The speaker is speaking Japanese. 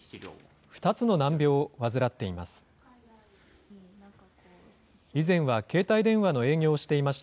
２つの難病を患っています。